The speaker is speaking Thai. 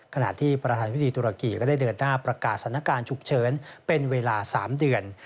ขณะที่ประธานวิธีตุรกีก็ได้เดินหน้าประกาศสถานการณ์ฉุกเฉินเป็นเวลา๓เดือน